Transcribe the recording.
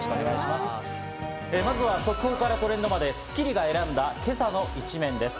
まずは速報からトレンドまで『スッキリ』が選んだ今朝の一面です。